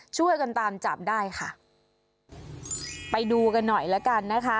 ช่วยกันตามจับได้ค่ะไปดูกันหน่อยแล้วกันนะคะ